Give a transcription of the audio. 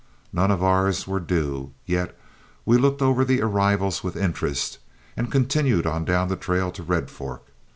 None of ours were due, yet we looked over the "arrivals" with interest, and continued on down the trail to Red Fork.